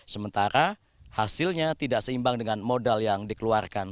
sementara hasilnya tidak seimbang dengan modal yang dikeluarkan